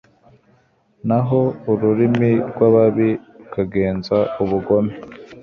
naho ururimi rw'ababi rukagenza ubugome